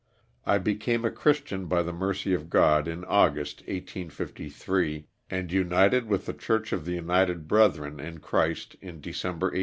I be came a Christian by the mercy of God in August, 1853, and united with the church of the United Brethren in Christ in December, 1853.